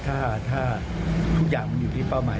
ถ้าทุกอย่างมันอยู่ที่เป้าหมาย